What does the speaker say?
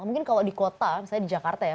mungkin kalau di kota misalnya di jakarta ya